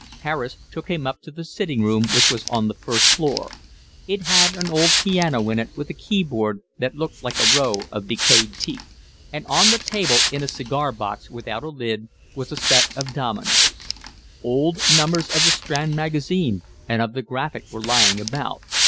Harris took him up to the sitting room, which was on the first floor; it had an old piano in it with a keyboard that looked like a row of decayed teeth; and on the table in a cigar box without a lid was a set of dominoes; old numbers of The Strand Magazine and of The Graphic were lying about.